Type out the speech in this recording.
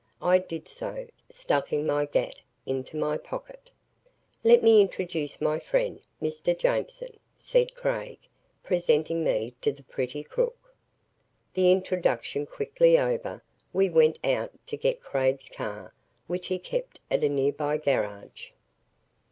I did so, stuffing my "gatt" into my pocket. "Let me introduce my friend, Mr. Jameson," said Craig, presenting me to the pretty crook. The introduction quickly over, we three went out to get Craig's car which he kept at a nearby garage.